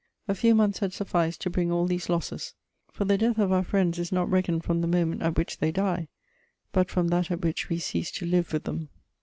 A few months had sufficed to bring all these losses, for the death of our friends is not reckoned from the moment at which they die, but from that at which we cease to live with them.